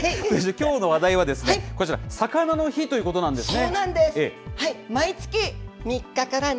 きょうの話題はこちら、さかなの日ということなんですね。